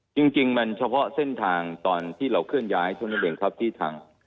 จริงมันเฉพาะเส้นทางตอนที่เราเคลื่อนย้ายเท่านั้นเองครับที่ทาง